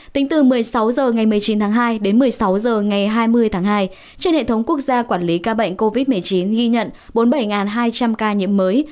tính từ một mươi sáu h ngày một mươi chín tháng hai đến một mươi sáu h ngày hai mươi tháng hai trên hệ thống quốc gia quản lý ca bệnh covid một mươi chín ghi nhận bốn mươi bảy hai trăm linh ca nhiễm mới